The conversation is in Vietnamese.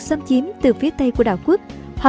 xâm chiếm từ phía tây của đảo quốc họ